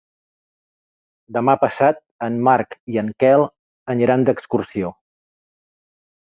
Demà passat en Marc i en Quel aniran d'excursió.